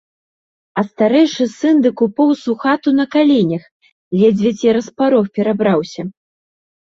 А старэйшы сын дык упоўз у хату на каленях, ледзьве цераз парог перабраўся.